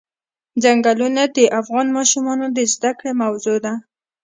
ځنګلونه د افغان ماشومانو د زده کړې موضوع ده.